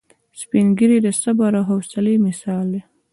سپین ږیری د صبر او حوصلې مثال دی